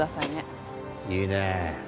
いいね。